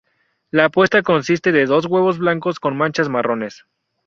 La puesta consiste de dos huevos blancos con manchas marrones.